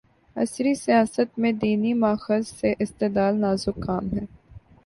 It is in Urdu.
عصری سیاست میں دینی ماخذ سے استدلال‘ نازک کام ہے۔